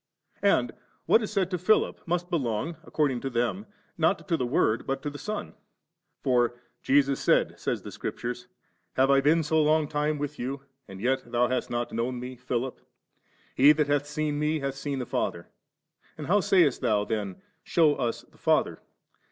And what is said to Philip must belong, according to them, not to the Word, but to the Son. For, * Jesus said,' says Scripture, 'Have I been so long time with you, and yet thou hast not known Me, Philip ? He that hath seen Mc, hath seen the Father. And how saycst thou then, Shew us the Father